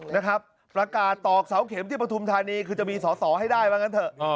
นะครับประกาศตอกเสาเข็มที่ปฐุมธานีคือจะมีสอสอให้ได้ว่างั้นเถอะ